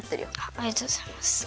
ありがとうございます。